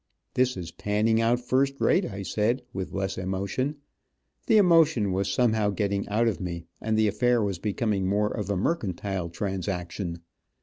"This is panning out first rate," I said, with less emotion. The emotion was somehow getting out of me, and the affair was becoming more of a mercantile transaction.